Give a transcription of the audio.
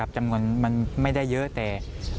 จำนวนมันไม่ได้เยอะแต่